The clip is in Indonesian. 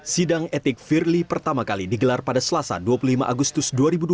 sidang etik firly pertama kali digelar pada selasa dua puluh lima agustus dua ribu dua puluh